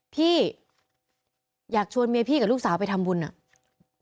พี่อยากชวนเมียพี่กับลูกสาวไปทำบุญอ่ะ